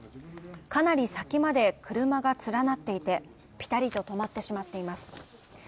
かなり先まで車が連なっていて、ピタリと止まってしまっています